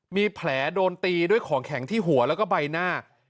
มีแผลโดนตีด้วยของแข็งที่หัวแล้วก็ใบหน้า